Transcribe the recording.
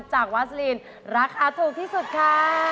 วาสลีนราคาถูกที่สุดค่ะ